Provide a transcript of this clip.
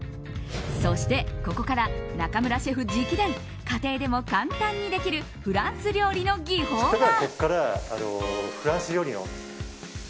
そして、ここから中村シェフ直伝家庭でも簡単にできるフランス料理の技法が。